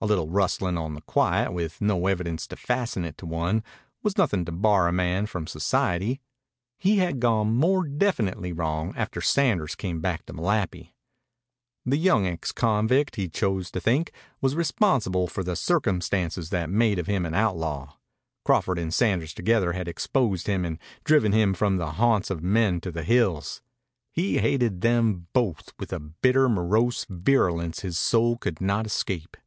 A little rustling on the quiet, with no evidence to fasten it on one, was nothing to bar a man from society. He had gone more definitely wrong after Sanders came back to Malapi. The young ex convict, he chose to think, was responsible for the circumstances that made of him an outlaw. Crawford and Sanders together had exposed him and driven him from the haunts of men to the hills. He hated them both with a bitter, morose virulence his soul could not escape.